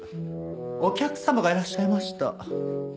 お客様がいらっしゃいました。